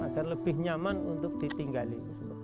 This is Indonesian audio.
agar lebih nyaman untuk ditinggali